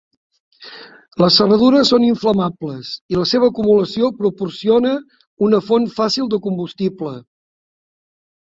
Les serradures són inflamables i la seva acumulació proporciona una font fàcil de combustible.